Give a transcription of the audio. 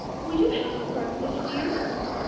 " Will you have some breakfast, dear ?